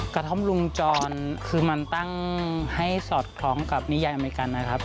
กระท่อมลุงจรคือมันตั้งให้สอดคล้องกับนิยายอเมริกันนะครับ